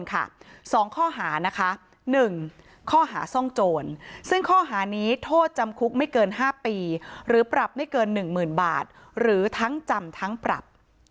ข้อหานะคะ๑ข้อหาซ่องโจรซึ่งข้อหานี้โทษจำคุกไม่เกิน๕ปีหรือปรับไม่เกิน๑๐๐๐บาทหรือทั้งจำทั้งปรับ